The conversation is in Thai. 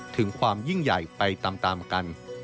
ถึงความยิ่งใหญ่ไปตามกัน